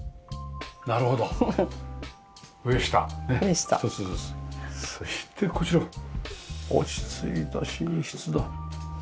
そしてこちら落ち着いた寝室だ。